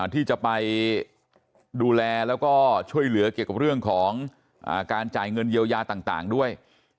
ที่จะไปดูแลแล้วก็ช่วยเหลือเกี่ยวกับเรื่องของการจ่ายเงินเยียวยาต่างด้วย